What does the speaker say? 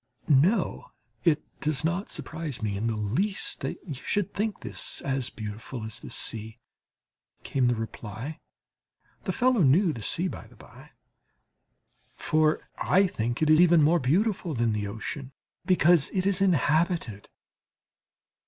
"No, it does not surprise me in the least that you should think this as beautiful as the sea," came the reply (the fellow knew the sea, by the bye); "for I think it even more beautiful than the ocean, because it is inhabited."